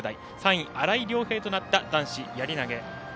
３位、新井涼平となった男子やり投げ。